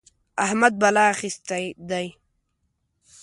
احمد بلا اخيستی دی.